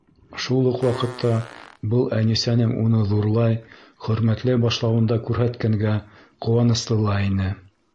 Шул уҡ ваҡытта был Әнисәнең уны ҙурлай, хөрмәтләй башлауын да күрһәткәнгә ҡыуаныслы ла ине.